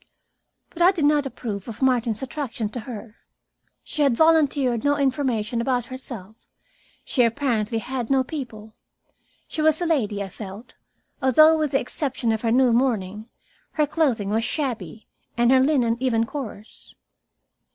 But I did not approve of Martin's attraction to her. She had volunteered no information about herself, she apparently had no people. She was a lady, I felt, although, with the exception of her new mourning, her clothing was shabby and her linen even coarse.